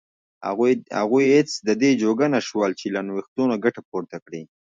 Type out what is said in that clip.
هغوی هېڅ د دې جوګه نه شول چې له نوښتونو ګټه پورته کړي.